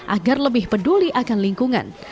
agar lebih peduli akan lingkungan